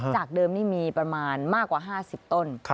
จากเดิมนี่มีประมาณมากกว่า๕๐ต้น